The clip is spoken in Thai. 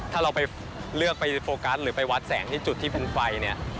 ถ้าเราไปเลือกไปโฟกัสหรือไปวัดแสงที่จุดที่เป็นไฟเนี่ย